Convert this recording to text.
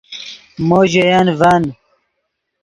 مو ژے ین ڤن